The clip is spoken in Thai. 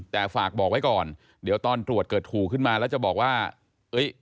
แต่ฝากบอกไว้ก่อนเดี๋ยวตอนตรวจเกิดถูกขึ้นมาแล้วจะบอกว่าเอ้ย